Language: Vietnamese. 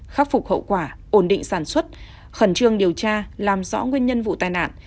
khắc phục hậu quả ổn định sản xuất khẩn trương điều tra làm rõ nguyên nhân vụ tai nạn